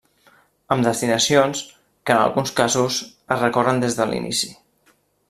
Amb destinacions que, en alguns casos, es recorren des de l'inici.